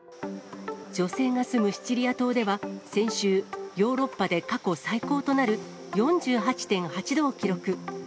女性が住むシチリア島では、先週、ヨーロッパで過去最高となる４８．８度を記録。